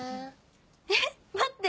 えっ待って！